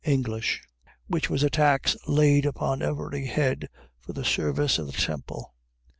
English: which was a tax laid upon every head for the service of the temple.